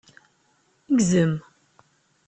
Gzem.